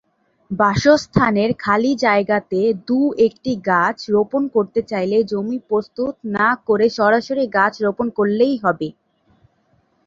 বাসস্থানের খালি জায়গাতে দু’একটি গাছ রোপণ করতে চাইলে জমি প্রস্তুত না করে সরাসরি গাছ রোপণ করলেই হবে।